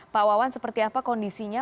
pak wawan seperti apa kondisinya